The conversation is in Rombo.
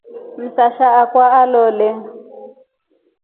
Msasha akwa alole.